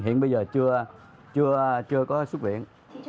hiện bây giờ chưa có xuất viện